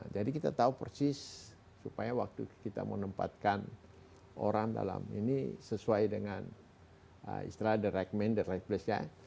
jadi kita tahu persis supaya waktu kita menempatkan orang dalam ini sesuai dengan istilah the right man the right place ya